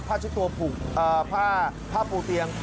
ผ้าชุดตัวผูกผ้าปูเตียง